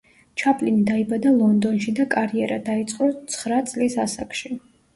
ჩაპლინი დაიბადა ლონდონში და კარიერა დაიწყო ცხრა წლის ასაკში.